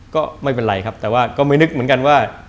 ก็ไม่เป็นไรครับแต่ว่าก็ไม่นึกเหมือนกันว่า